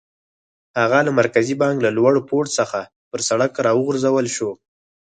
هغه له مرکزي بانک له لوړ پوړ څخه پر سړک را وغورځول شو.